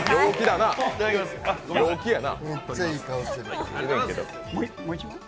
陽気やな。